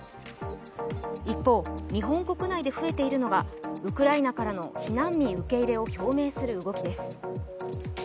一方、日本国内で増えているのがウクライナからの避難民受け入れを表明する動きです。